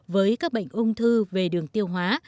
với các bệnh ung thư về đường tiêu hóa